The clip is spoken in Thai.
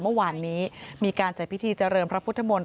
เมื่อวานนี้มีการจัดพิธีเจริญพระพุทธมนตร์